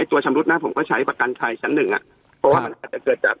ตัวชำรุดนั้นผมก็ใช้ประกันชั้น๑อะเพราะว่ามันอาจจะเกิดจาก